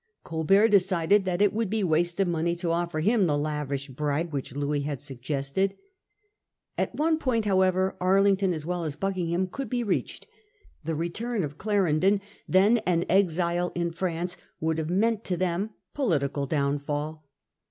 Colbert decided that it would be waste of money to offer him the lavish bribe which Louis had suggested. At one point however Arlington as well as Bucking ham could be reached. The return of Clarendon, then an exile in France, would have meant to them political downfall.